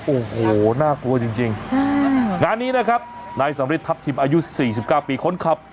โอ้โหน่ากลัวจริงจริงใช่งานนี้นะครับนายสำริดทัพทิมอายุสี่สิบเก้าปีคนขับ